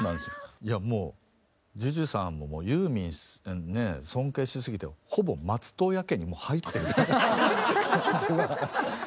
いやもうＪＵＪＵさんももうユーミンね尊敬しすぎてほぼ松任谷家にもう入ってる感じは。